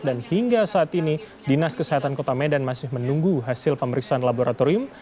dan hingga saat ini dinas kesehatan kota medan masih menunggu hasil pemeriksaan laboratorium